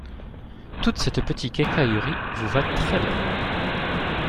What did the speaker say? Toute cette petite quincaillerie vous va très bien.